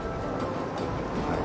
はい。